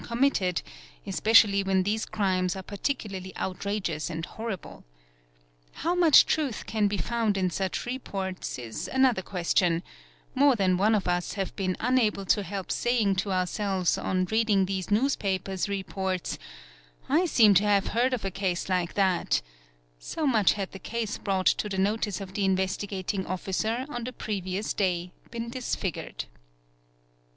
committed, especially when these crimes are particularly outrageous am horrible. How much truth can be found in such reports is anothe question; more than one of us have been unable to help saying t THE SPHERE OF THE PRESS 991 ourselves on reading these newspapers reports,—'I seem to have heard of a case like that''; so much had the case brought to the notice of the Investigating Officer on the previous day been disfigured.